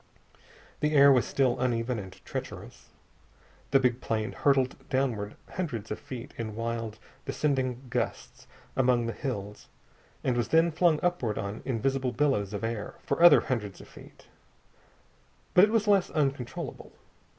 The air was still uneven and treacherous. The big plane hurtled downward hundreds of feet in wild descending gusts among the hills, and was then flung upward on invisible billows of air for other hundreds of feet. But it was less uncontrollable.